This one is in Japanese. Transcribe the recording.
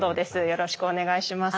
よろしくお願いします。